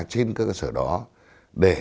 trên các cơ sở đó để